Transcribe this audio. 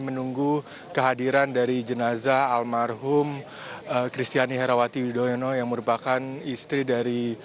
menunggu kehadiran dari jenazah almarhum kristiani herawati yudhoyono yang merupakan istri dari